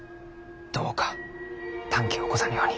どうか短気を起こさぬように。